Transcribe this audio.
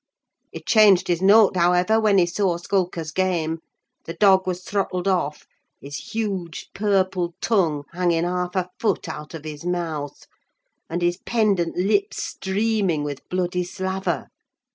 He changed his note, however, when he saw Skulker's game. The dog was throttled off; his huge, purple tongue hanging half a foot out of his mouth, and his pendent lips streaming with bloody slaver.